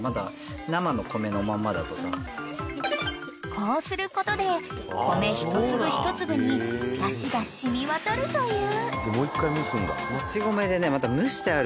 ［こうすることで米一粒一粒にだしが染み渡るという］